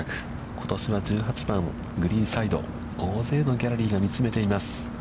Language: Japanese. ことしは１８番、グリーンサイド、大勢のギャラリーが見つめています。